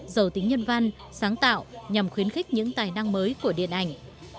giàu tính nhân văn sáng tạo nhằm khuyến khích những tài năng mới của điện ảnh